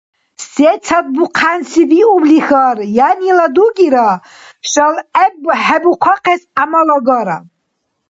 Сецад бухъянси биублихьар, янила дугира шалгӏебхӏебухъес гӏямал агара.